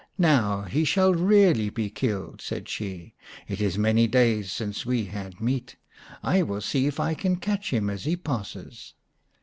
" Now he shall really be killed," said she ;" it is many days since we had meat. I will see if I can catch him as he passes."